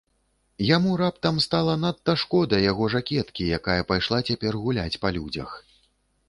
Яму раптам стала надта шкода яго жакеткі, якая пайшла цяпер гуляць па людзях.